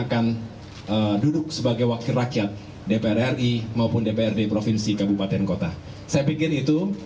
akan duduk sebagai wakil rakyat dpr ri maupun dprd provinsi kabupaten kota saya pikir itu